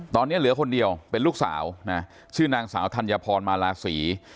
ตอนนี้เหลือคนเดียวเป็นลูกสาวนะชื่อนางสาวธัญพรมาลาศรี